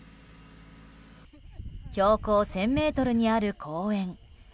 標高１０００ｍにある公園。